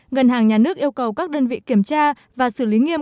ngân hàng nhà nước yêu cầu các đơn vị kiểm tra và xử lý nghiêm